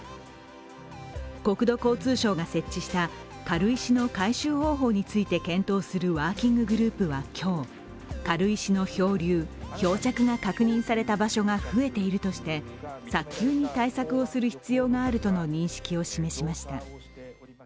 国土交通省が設置した軽石の回収方法について検討するワーキンググループは今日、軽石の漂流・漂着が確認された場所が増えているとして早急に対策をする必要があるとの認識を示しました。